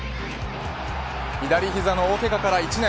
左膝の大けがから１年。